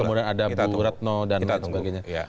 kemudian ada bu ratno dan lain sebagainya